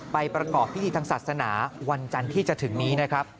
ประกอบพิธีทางศาสนาวันจันทร์ที่จะถึงนี้นะครับ